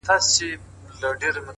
ننوتی تر اوو پوښو انجام دی”